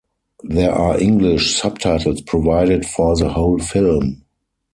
There are English subtitles provided for the whole film.